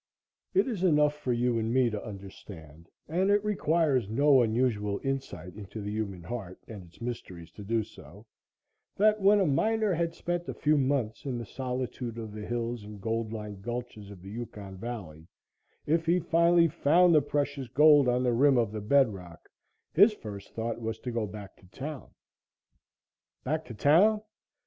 It is enough for you and me to understand and it requires no unusual insight into the human heart and its mysteries to do so that when a miner had spent a few months in the solitude of the hills and gold lined gulches of the Yukon Valley, if he finally found the precious gold on the rim of the bedrock, his first thought was to go back to "town." Back to town?